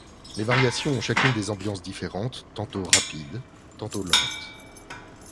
Les variations ont chacune des ambiances différentes, tantôt rapides, tantôt lentes.